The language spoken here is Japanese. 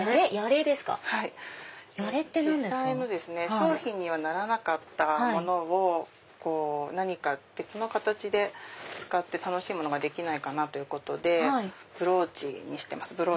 商品にはならなかったものを別の形で使って楽しむのができないかなということでブローチにしてます。